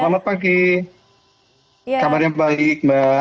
selamat pagi kabarnya baik mbak